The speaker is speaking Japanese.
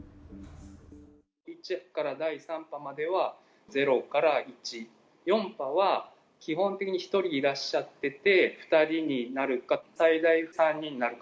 １から第３波までは０から１、４波は基本的に１人いらっしゃってて、２人になるか、最大３人になるか。